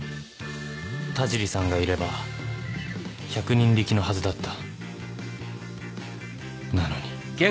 田尻さんがいれば百人力のはずだった